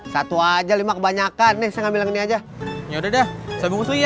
satu aja lima kebanyakan nih saya bilang ini aja ya udah deh saya punggung iya